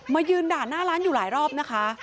ยืนด่าหน้าร้านอยู่หลายรอบนะคะ